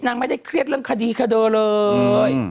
นางไม่ได๋เครียดเรื่องคดีค่ะเด้อเลย